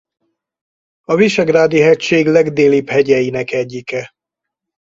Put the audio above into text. A Visegrádi-hegység legdélibb hegyeinek egyike.